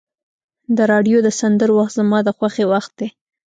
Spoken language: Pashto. د راډیو د سندرو وخت زما د خوښۍ وخت دی.